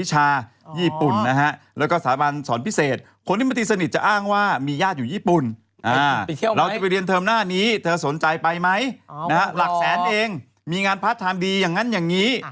หลักแสนเองมีงานพาร์ทไทม์ดีอย่างนั้นอย่างนี้